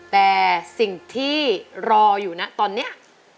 แต่สิ่งที่รออยู่นะตอนนี้